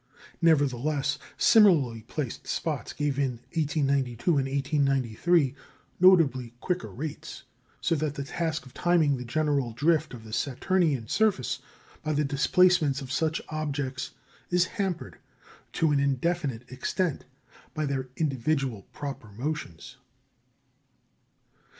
Nevertheless, similarly placed spots gave in 1892 and 1893 notably quicker rates; so that the task of timing the general drift of the Saturnian surface by the displacements of such objects is hampered, to an indefinite extent, by their individual proper motions.